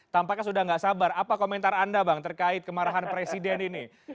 tampaknya sudah tidak sabar apa komentar anda bang terkait kemarahan presiden ini